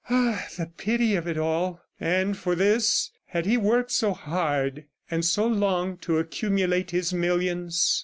Ah, the pity of it all! And for this, had he worked so hard and so long to accumulate his millions?